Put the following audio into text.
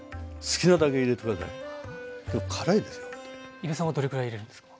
伊武さんはどれぐらい入れるんですか？